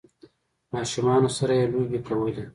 ماشومانو سره یی لوبې کولې